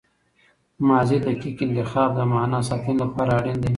ماضي دقیق انتخاب د معنی ساتني له پاره اړین دئ.